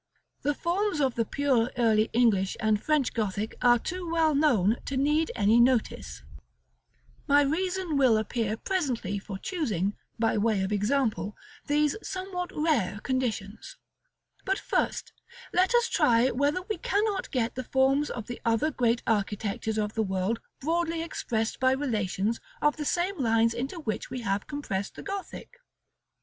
The forms of the pure early English and French Gothic are too well known to need any notice; my reason will appear presently for choosing, by way of example, these somewhat rare conditions. [Illustration: Fig. X.] § LXXXVII. But, first, let us try whether we cannot get the forms of the other great architectures of the world broadly expressed by relations of the same lines into which we have compressed the Gothic.